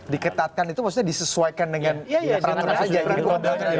diketatkan itu maksudnya disesuaikan dengan peraturan yang sudah dilaksanakan